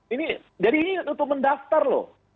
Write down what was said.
ini jadi ini untuk mendaftar loh